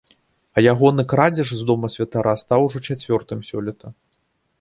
А ягоны крадзеж з дома святара стаў ужо чацвёртым сёлета.